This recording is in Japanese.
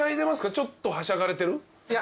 ちょっとはしゃがれてる？いや。